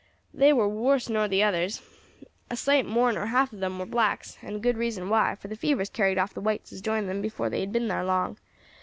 They war wuss nor the others. A sight more nor half of 'em war blacks; and good reason why, for the fevers carried off the whites as joined them before they had been thar long.